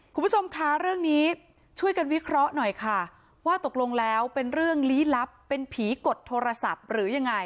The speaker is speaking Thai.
คุณผู้ชมคะเรื่องนี้ช่วยกันวิเคราะห์หน่อยค่ะว่าตกลงแล้วเป็นเรื่องลี้ลับเป็นผีกดโทรศัพท์หรือยังไง